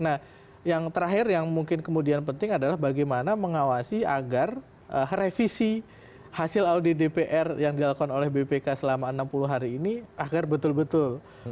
nah yang terakhir yang mungkin kemudian penting adalah bagaimana mengawasi agar revisi hasil audit dpr yang dilakukan oleh bpk selama enam puluh hari ini agar betul betul